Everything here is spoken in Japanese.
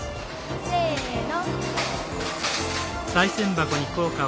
せの。